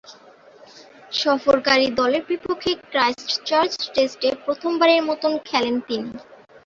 সফরকারী দলের বিপক্ষে ক্রাইস্টচার্চ টেস্টে প্রথমবারের মতো খেলেন তিনি।